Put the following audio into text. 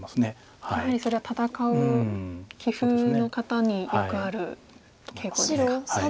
やはりそれは戦う棋風の方によくある傾向ですか。